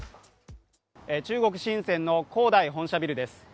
中国・深センの恒大本社ビルです